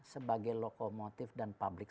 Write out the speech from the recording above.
sebagai lokomotif dan public